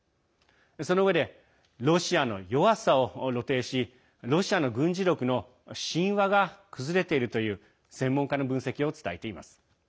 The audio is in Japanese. そのうえでロシアの弱さを露呈しロシアの軍事力の神話が崩れているという専門家の分析を伝えています。